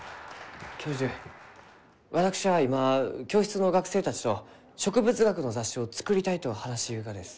教授私は今教室の学生たちと植物学の雑誌を作りたいと話しゆうがです。